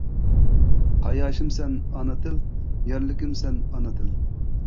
قاياشىم سەن ئانا تىل، يەرلىكىم سەن ئانا تىل.